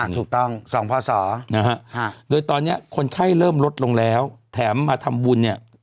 ถูกต้องสองภาษานะฮะโดยตอนนี้คนไข้เริ่มลดลงแล้วแถมมาทำบุญเนี่ย